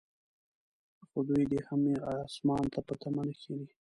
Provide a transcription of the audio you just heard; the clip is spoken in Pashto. خو دوی دې هم اسمان ته په تمه نه کښیني.